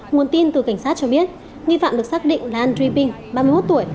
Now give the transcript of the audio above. nguồn tin từ cảnh sát cho biết nghi phạm được xác định là andre ping ba mươi một tuổi